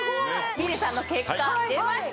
みれさんの結果出ました。